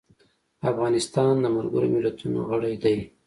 افغانستان د ملګرو ملتونو غړی دی.